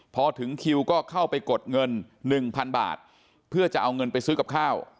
พอถึงคิวก็เข้าไปกดเงิน๑๐๐๐บาทเพื่อจะเอาเงินไปซื้อกับข้าว